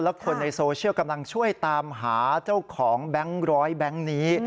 และคนในโซเชียลกำลังช่วยตามหาเจ้าของแบงค์ร้อยแบงค์นี้